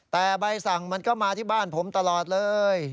แต่ใบสั่งมันก็มาที่บ้านผมตลอดเลย